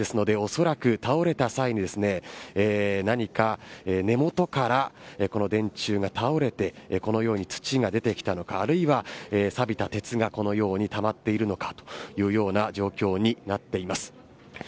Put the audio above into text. おそらく倒れた際に何か、根元から電柱が倒れてこのように土が出てきたのかあるいは、さびた鉄がこのようにたまっているのかという状況になっています。